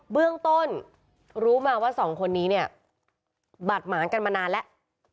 เบื้องต้นรู้มาว่าสองคนนี้เนี่ยบาดหมางกันมานานแล้ว